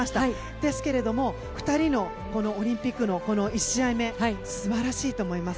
ですけれど２人のオリンピックのこの１試合目素晴らしいと思います。